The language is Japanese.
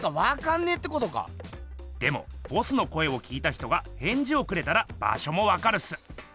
でもボスの声を聞いた人がへんじをくれたら場しょもわかるっす。